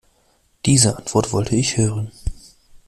Diese Antwort wollte ich hören.